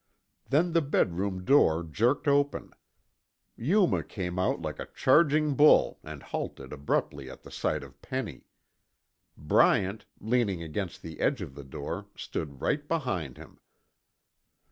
Then the bedroom door jerked open. Yuma came out like a charging bull and halted abruptly at the sight of Penny. Bryant, leaning against the edge of the door, stood right behind him.